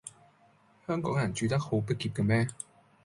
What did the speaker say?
香港人住得好逼狹嘅咩